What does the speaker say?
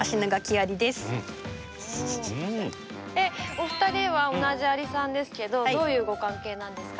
お二人は同じアリさんですけどどういうご関係なんですか？